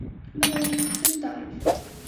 Мене з їх хтось ударив.